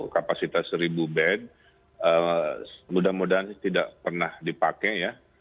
kapasitas seribu band mudah mudahan tidak pernah dipakai ya